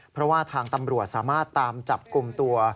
เพราะว่าทางตำรวจสามารถตามจับกลุ่มตัว